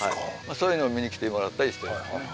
そういうのを見に来てもらったりしてますね。